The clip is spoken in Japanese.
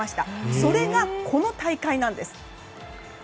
それが、この大会なんです。